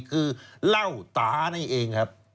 คือเหล้าตานี่เองครับ